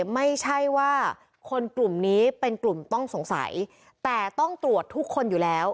ไม่ใช่ว่าคนกลุ่มนี้เป็นกลุ่มต้องสงสัยแต่ต้องตรวจทุกคนอยู่แล้ว